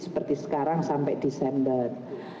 seperti sekarang sampai desember